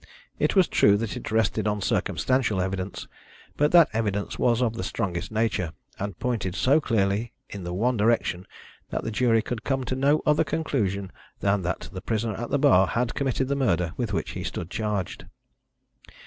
It was true that it rested on circumstantial evidence, but that evidence was of the strongest nature, and pointed so clearly in the one direction, that the jury could come to no other conclusion than that the prisoner at the bar had committed the murder with which he stood charged.